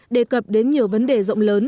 đề cập đến nhiều vấn đề rộng lớn